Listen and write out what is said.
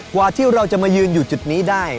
กว่าที่เราจะมายืนอยู่จุดนี้ได้